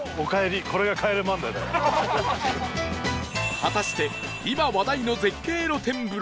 果たして今話題の絶景露天風呂